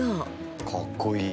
かっこいい。